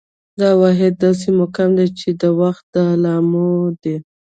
دا واحد داسې مقام دى، چې د وخت د علامو دى